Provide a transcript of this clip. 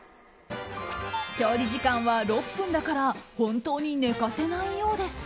調理時間は６分だから本当に寝かせないようです。